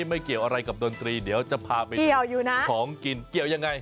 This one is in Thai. ไม่เกี่ยวอะไรกับดนตรีเดี๋ยวจะพาไปดูนะของกินเกี่ยวยังไง